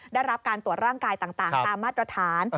ได้รับการตรวจร่างกายต่างตามมาตรฐาน